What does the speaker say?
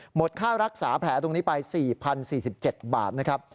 หมดค่ารักษาแผลตรงนี้ไป๔๐๔๗บาทนะครับ